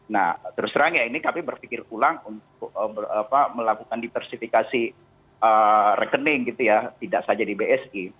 nah terus terang ya ini kami berpikir ulang untuk melakukan diversifikasi rekening gitu ya tidak saja di bsi